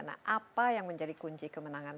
nah apa yang menjadi kunci kemenangan